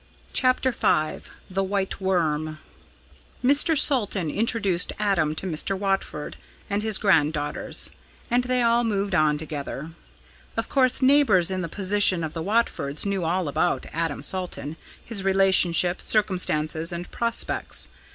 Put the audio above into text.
CHAPTER V THE WHITE WORM Mr. Salton introduced Adam to Mr. Watford and his grand daughters, and they all moved on together. Of course neighbours in the position of the Watfords knew all about Adam Salton, his relationship, circumstances, and prospects.